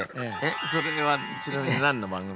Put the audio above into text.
それはちなみに何の番組だったの？